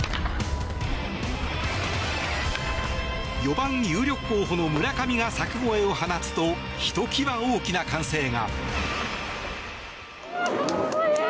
４番有力候補の村上が柵越えを放つとひときわ大きな歓声が。